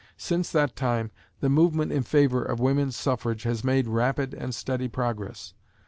Since that time, the movement in favor of women's suffrage has made rapid and steady progress.